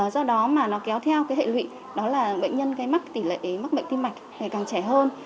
do đó mà nó kéo theo cái hệ lụy đó là bệnh nhân gây mắc tỷ lệ mắc bệnh tim mạch ngày càng trẻ hơn